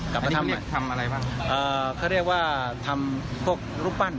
กลับมาทำเนี้ยทำอะไรบ้างเอ่อเขาเรียกว่าทำพวกรูปปั้น